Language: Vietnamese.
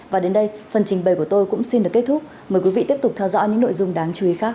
và đến đây phần trình bày của tôi cũng xin được kết thúc mời quý vị tiếp tục theo dõi những nội dung đáng chú ý khác